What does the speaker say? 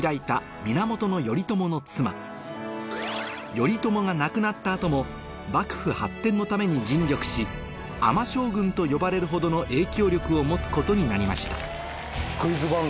頼朝が亡くなった後も幕府発展のために尽力し「尼将軍」と呼ばれるほどの影響力を持つことになりました